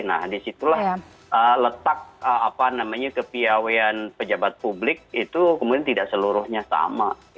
nah disitulah letak apa namanya kepiawian pejabat publik itu kemudian tidak seluruhnya sama